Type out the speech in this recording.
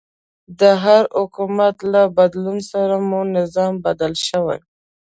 د هر حکومت له بدلون سره مو نظام بدل شوی.